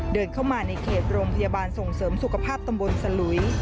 เดินเข้ามาในเขตโรงพยาบาลส่งเสริมสุขภาพตำบลสลุย